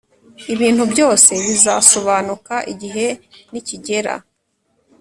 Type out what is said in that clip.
ibintu byose bizasobanuka igihe nikigera.